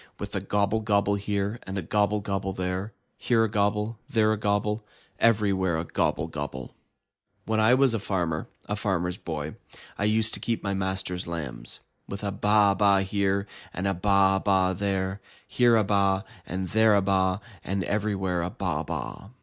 With a gobble gobble here, and a gobble gobble there, Here a gobble, there a gobble. Everywhere a gobble gobble! When I was a farmer, a Farmer's Boy, I used to keep my master's lambs, With a baa baa here, and a baa baa there. Here a baa, and there a baa. And everywhere a baa baa!